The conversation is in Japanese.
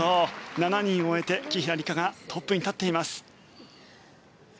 ７人を終えて紀平梨花がトップに立っています。